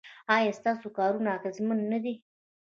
ایا ستاسو کارونه اغیزمن نه دي؟